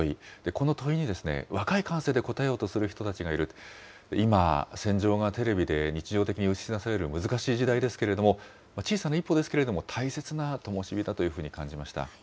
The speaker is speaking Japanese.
この問いに若い感性でこたえようとする人たちがいる、今、戦場がテレビで日常的に映し出される難しい時代ですけれども、小さな一歩ですけれども、大切なともしびだというふうに感じました。